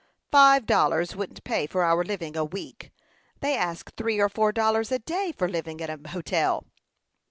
"Five dollars wouldn't pay for our living a week. They ask three or four dollars a day for living at a hotel."